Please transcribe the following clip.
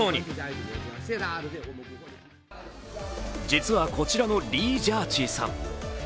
実は、こちらのリー・ジャーチーさん。